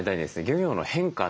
漁業の変化